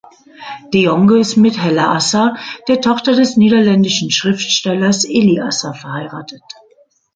De Jonge ist mit Hella Asser, der Tochter des niederländischen Schriftstellers Eli Asser, verheiratet.